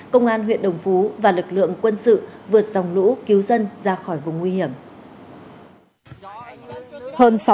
công an huyện đồng phú và lực lượng quân sự vượt dòng lũ cứu dân ra khỏi vùng nguy hiểm